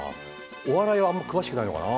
お笑いはあんまり詳しくないのかな。